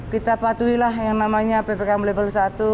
kita patuhilah yang namanya ppkm level satu